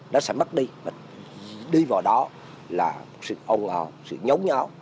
nó sẽ mất đi đi vào đó là sự ồn ào sự nhốm nhó